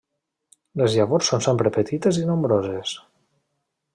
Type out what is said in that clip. Les llavors són sempre petites i nombroses.